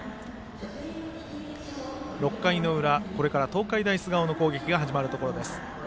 ６回の裏、これから東海大菅生の攻撃が始まるところです。